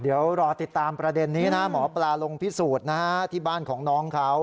เดี๋ยวรอติดตามประเด็นนี้นะหมอปลาลงพิสูจน์นะฮะที่บ้านของน้องเขา